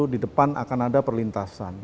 di depan akan ada perlintasan